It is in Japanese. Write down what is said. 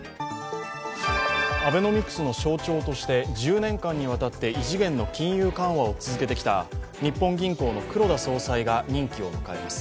アベノミクスの象徴として１０年間にわたって異次元の金融緩和を続けてきた日本銀行の黒田総裁が任期を迎えます。